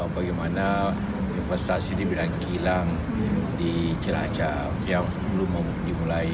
bagaimana investasi ini bilang kilang di cilacap yang belum mau dimulai